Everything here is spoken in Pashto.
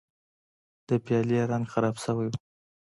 د پیالې رنګ خراب شوی و.